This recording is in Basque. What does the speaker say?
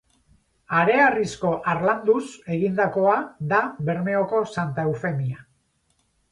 Hareharrizko harlanduz egindakoa da Bermeoko Santa Eufemia.